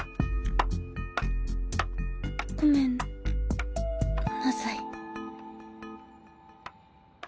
ごめんなさい。